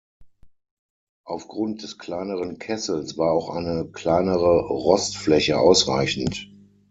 Aufgrund des kleineren Kessels war auch eine kleinere Rostfläche ausreichend.